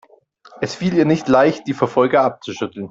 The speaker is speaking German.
Es fiel ihr nicht leicht, die Verfolger abzuschütteln.